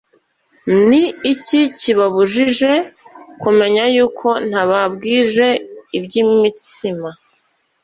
Ni iki kibabujije kumenya yuko ntababwiye iby’imitsima?